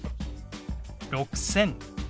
６０００。